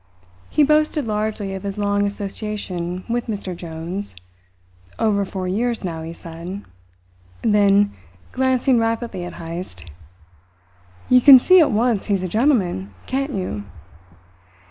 He boasted largely of his long association with Mr. Jones over four years now, he said. Then, glancing rapidly at Heyst: "You can see at once he's a gentleman, can't you?"